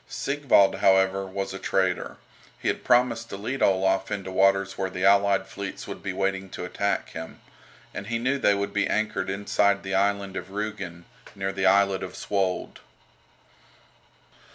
Sigvald, however, was a traitor. He had promised to lead Olaf into waters where the allied fleets would be waiting to attack him. And he knew they would be anchored inside the island of Rügen, near the islet of Svold.